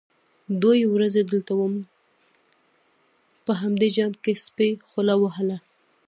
_دوې ورځې دلته وم، په همدې جام کې سپي خوله وهله.